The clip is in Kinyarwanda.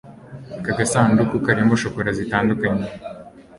aka gasanduku karimo shokora zitandukanye